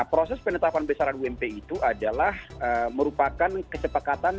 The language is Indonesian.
proses penetapan besaran ump itu adalah merupakan kesepakatan